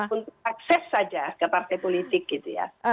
untuk akses saja ke partai politik gitu ya